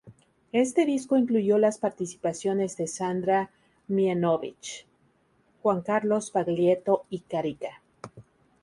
Este disco incluyó las participaciones de Sandra Mihanovich, Juan Carlos Baglietto y Carica.